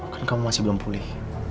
kan kamu masih belum pulih